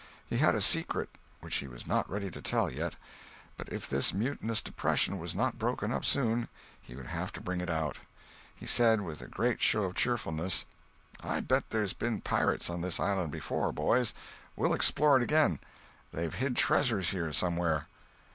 He had a secret which he was not ready to tell, yet, but if this mutinous depression was not broken up soon, he would have to bring it out. He said, with a great show of cheerfulness: "I bet there's been pirates on this island before, boys. We'll explore it again. They've hid treasures here somewhere.